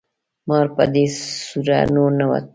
مار په دې سوړه ننوت